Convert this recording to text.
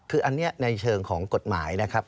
คืออันนี้ในเชิงของกฎหมายนะครับ